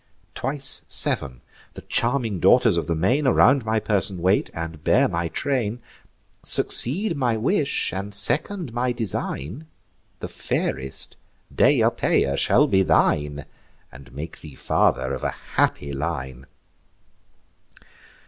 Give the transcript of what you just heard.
Twice sev'n, the charming daughters of the main, Around my person wait, and bear my train: Succeed my wish, and second my design; The fairest, Deiopeia, shall be thine, And make thee father of a happy line."